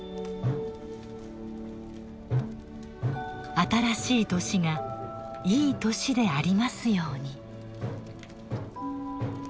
新しい年がいい年でありますように。